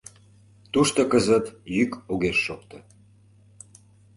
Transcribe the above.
Тушто кызыт йӱк огеш шокто.